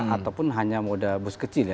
ataupun hanya moda bus kecil ya